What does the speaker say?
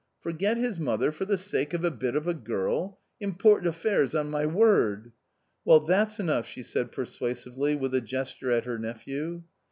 "Forget his mother for the sake of a bit of a girl Important affairs, on my word !"" Well, that's enough," she said persuasively, with a gesture at her nephew.